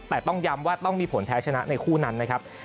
แต่ต้องย้ำว่าต้องมีผลแพ้ชนะในคู่นั้นนะครับ